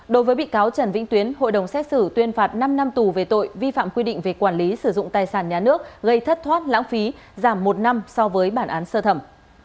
đối với bị cáo trần vĩnh tuyến hội đồng xét xử tuyên phạt năm năm tù về tội vi phạm quy định về quản lý sử dụng tài sản nhà nước gây thất thoát lãng phí giảm một năm so với bản án sơ thẩm